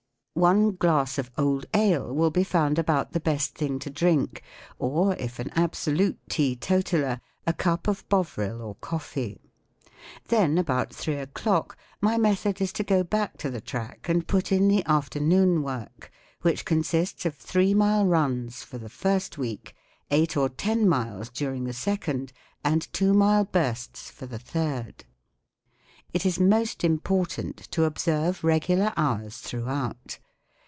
One glass of old ale will be found about the best thing to drink, or, if an absolute teetotaller, a cup of Bovril or coffee. Then, about three o'clock, my method is to go back to the track and put in the afternoon work, which consists of three mile runs for the first week, eight or ten miles during the second, and two mile bursts for the third. It is most important to observe regular hours throughout.